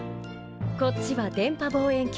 こっちは電波望遠鏡。